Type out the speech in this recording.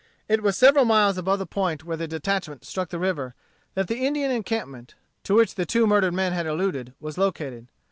It was several miles above the point where the detachment struck the river that the Indian encampment, to which the two murdered men had alluded, was located.